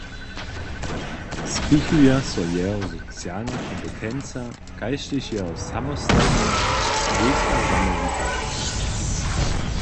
Spěchuja so jeho socialna kompetenca kaž tež jeho samostatnosć a swójska zamołwitosć.